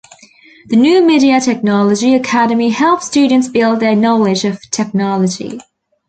The New Media Technology academy helps students build their knowledge of technology.